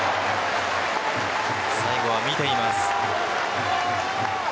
最後は見ています。